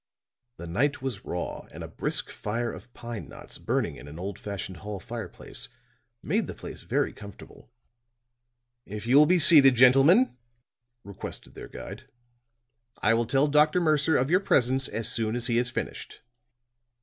The night was raw and a brisk fire of pine knots burning in an old fashioned hall fireplace, made the place very comfortable. "If you will be seated, gentlemen," requested their guide, "I will tell Dr. Mercer of your presence as soon as he has finished."